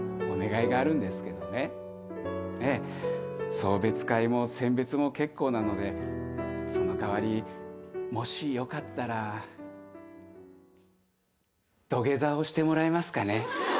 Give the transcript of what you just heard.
送別会も餞別も結構なのでそのかわりもしよかったら土下座をしてもらえますかね？